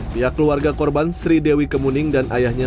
pihak keluarga korban sri dewi kemuning dan ayahnya